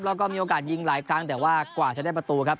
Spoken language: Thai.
แล้วก็มีโอกาสยิงหลายครั้งแต่ว่ากว่าจะได้ประตูครับ